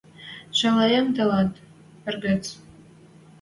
«Шӓлӓэм тӹлӓт. Эргӹц.